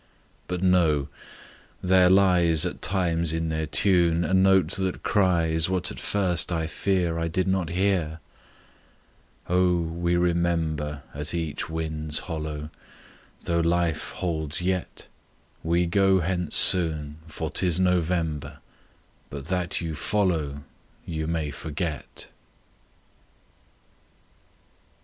But no; there lies At times in their tune A note that cries What at first I fear I did not hear: "O we remember At each wind's hollo— Though life holds yet— We go hence soon, For 'tis November; —But that you follow You may forget!"